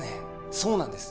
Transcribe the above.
そうなんです